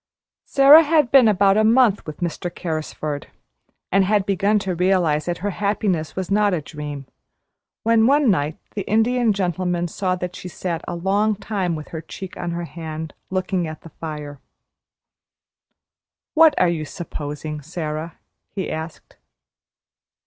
Sara had been about a month with Mr. Carrisford, and had begun to realize that her happiness was not a dream, when one night the Indian Gentleman saw that she sat a long time with her cheek on her hand looking at the fire. "What are you `supposing,' Sara?" he asked.